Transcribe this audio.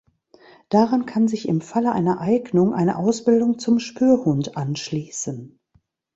Daran kann sich im Falle einer Eignung eine Ausbildung zum Spürhund anschließen.